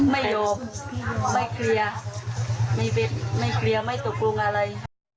ไม่โยมไม่เคลียร์ไม่ตกลงอะไร